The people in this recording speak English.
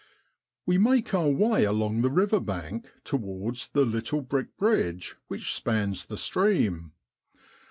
We make our way along the river bank towards the little brick bridge which spans the stream.